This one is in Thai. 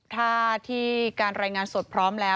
ถ้าที่การรายงานสดพร้อมแล้ว